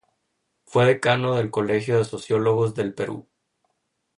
Fue Decano del Colegio de Sociólogos del Perú.